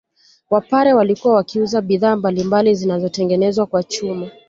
Wapare walikuwa wakiuza bidhaa mbalimbali zinazotengenezwa kwa chuma